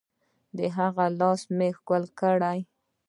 د هغه لاسونه مې ښکل کړل.